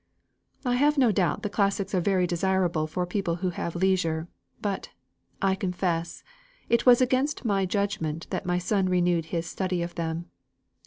"I have no doubt that classics are very desirable for people who have leisure. But I confess, it was against my judgment that my son renewed his study of them.